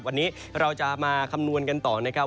วันนี้เราจะมาคำนวณกันต่อนะครับ